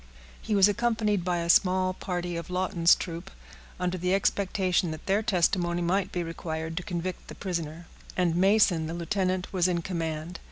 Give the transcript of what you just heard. He was accompanied by a small party of Lawton's troop, under the expectation that their testimony might be required to convict the prisoner; and Mason, the lieutenant, was in command.